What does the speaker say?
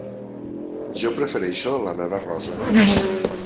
Jo prefereixo la meva rosa.